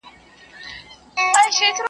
په ھره پاڼه کې خپور ھرداستان مې ولټوو